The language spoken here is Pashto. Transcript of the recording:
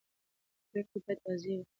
پرېکړې باید واضح وي